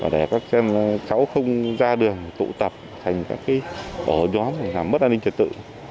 để các cháu không ra đường tụ tập thành các bộ nhóm làm mất an ninh trật tự